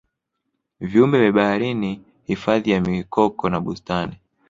viumbe vya baharini Hifadhi ya mikoko na bustani